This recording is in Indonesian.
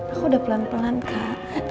aku udah pelan pelan kak